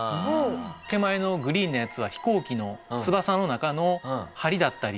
手前のグリーンのやつは飛行機の翼の中の梁だったり。